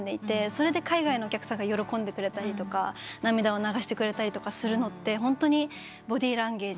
それで海外のお客さんが喜んでくれたりとか涙を流してくれたりするのってホントにボディーランゲージ。